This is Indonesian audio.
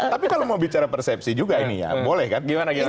tapi kalau mau bicara persepsi juga ini ya boleh kan